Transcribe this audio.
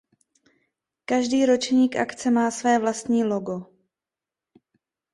Každý ročník akce má své vlastní logo.